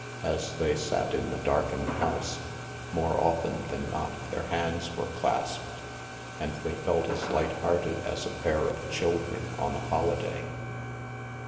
As they sat in the darkened house, more often than not their hands were clasped ; and they felt as light hearted as a pair of children on a holiday.